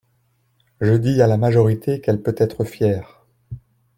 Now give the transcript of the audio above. Je dis à la majorité qu’elle peut être fière.